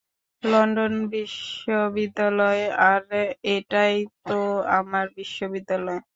London বিশ্ববিদ্যালয়, - আরে, এটাইতো আমার বিশ্ববিদ্যালয়।